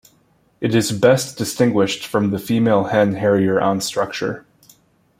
It is best distinguished from the female hen harrier on structure.